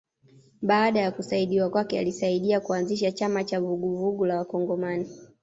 Baada ya kuachiliwa kwake alisaidiwa na kuanzisha chama cha Vuguvugu la Wakongomani